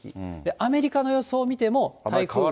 アメリカの予想を見ても、台風が、